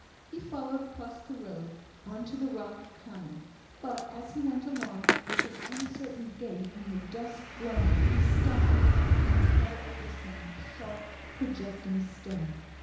He followed across the road, on to the rocky common; but as he went along, with his uncertain gait, in the dusk gloaming, he stumbled, and fell over some sharp projecting stone.